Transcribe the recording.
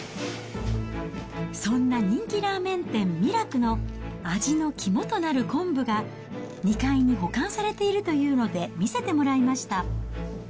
そんな人気ラーメン店、味楽の味の肝となる昆布が、２階に保管されているというので見せてもらいました。